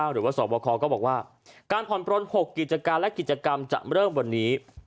หรือว่าสอบคอก็บอกว่าการผ่อนปลน๖กิจการและกิจกรรมจะเริ่มวันนี้